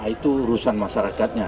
itu urusan masyarakatnya